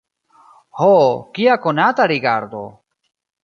Ho, kia konata rigardo!